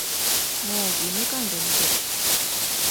もう義務感で見てる